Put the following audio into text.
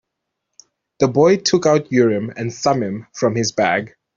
The boy took out Urim and Thummim from his bag.